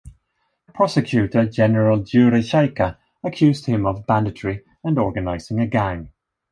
Prosecutor General Yury Chaika accused him of banditry and organizing a gang.